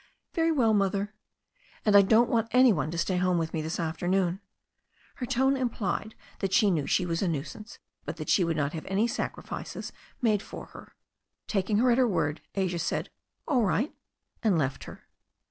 'Very well, Mother." 'And I don't want any one to stay home with me this afternoon." Her tone implied that she knew she was a. nuisance, but that she would not have any sacrifices made for her. Taking her at her word, Asia said "All right" and left her.